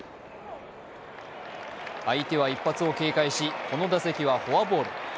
相手は一発を警戒しこの打席はフォアボール。